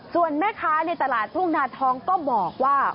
ส่วนแม่ค้าในตลาดทุ่งนาทองก็บอกว่า